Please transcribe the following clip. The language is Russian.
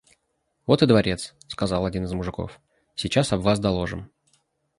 «Вот и дворец, – сказал один из мужиков, – сейчас об вас доложим».